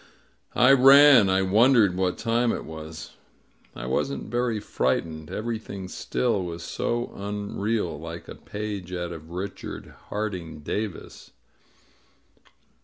I ran. I wonder e< ;l wh^^ time j t was. I wasn't very frightened. Everything still was so unreal, like a page out of Richard Harding Davis.